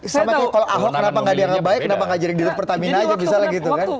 sama kayak kalau ahok kenapa nggak dianggap baik kenapa nggak jadi diri pertamina aja bisa lagi itu kan